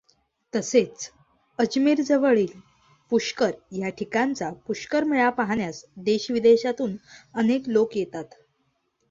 तसेच अजमेरजवळील पुष्कर या ठिकाणचा पुष्कर मेळा पाहण्यास देश विदेशातून अनेक लोक येतात.